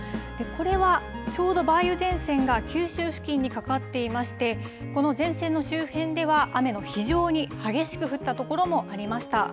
これはちょうど梅雨前線が九州付近にかかっていまして、この前線の周辺では、雨が非常に激しく降った所もありました。